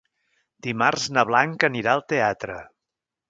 Dimarts na Blanca anirà al teatre.